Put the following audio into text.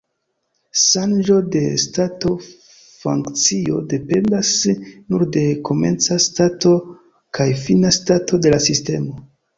Ŝanĝo de stato-funkcio dependas nur de komenca stato kaj fina stato de la sistemo.